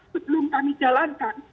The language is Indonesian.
sebelum kami jalankan